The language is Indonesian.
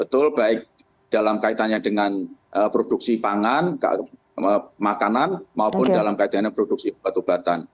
betul baik dalam kaitannya dengan produksi pangan makanan maupun dalam kaitannya produksi obat obatan